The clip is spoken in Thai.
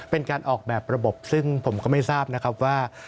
เป็นการออกแบบระบบซึ่งผมก็ไม่ทราบนะครับว่า